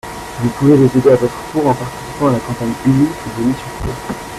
vous pouvez les aider à votre tour en participant à la campagne Ulule qu'ils ont mis sur pied.